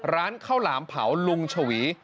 ร้านข้าวหลามเผาลุงชวี